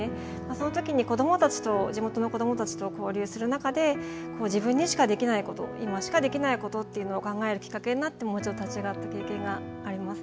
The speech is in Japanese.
そのときに子どもたちと地元の子どもたちと交流する中で自分にしかできないこと今しかできないことを考えてもう一度、立ち上がった経験があります。